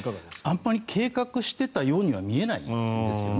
あまり計画していたようには見えないんですよね。